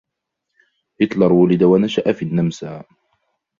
هتلر ولد ونشأ في النمسا.